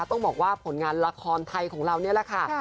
ต้องบอกว่าผลงานละครไทยของเรานี่แหละค่ะ